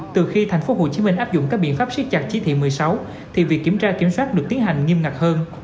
từ khi tp hcm áp dụng các biện pháp siết chặt chỉ thị một mươi sáu thì việc kiểm tra kiểm soát được tiến hành nghiêm ngặt hơn